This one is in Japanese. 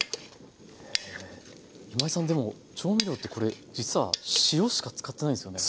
今井さんでも調味料ってこれ実は塩しか使ってないんですよね？